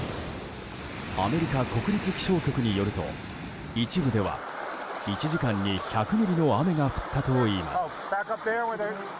アメリカ国立気象局によると一部では１時間に、１００ミリの雨が降ったといいます。